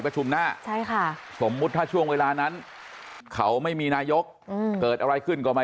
ชิงครับ